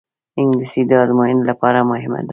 انګلیسي د ازموینو لپاره مهمه ده